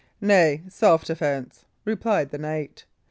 "Nay self defence," replied the knight.